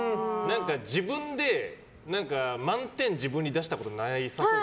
自分で自分に満点を出したことなさそう。